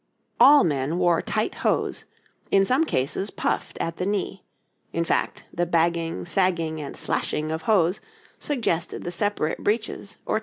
}] All men wore tight hose, in some cases puffed at the knee; in fact, the bagging, sagging, and slashing of hose suggested the separate breeches or trunks of hose.